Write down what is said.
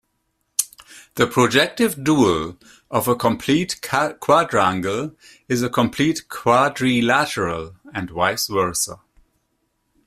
The projective dual of a complete quadrangle is a complete quadrilateral, and vice versa.